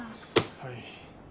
はい。